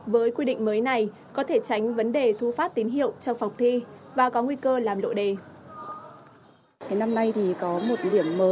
với quy định mới này có thể tránh vấn đề thu phát tín hiệu trong phòng thi và có nguy cơ làm lộ đề